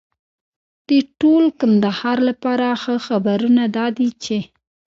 د ټول کندهار لپاره ښه خبرونه دا دي چې